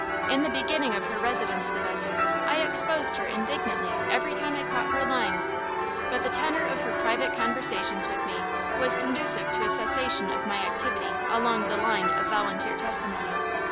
In the beginning of her residence with us, I exposed her indignantly every time I caught her lying; but the tenor of her private conversations with me was conducive to a cessation of my activity along the line of volunteer testimony.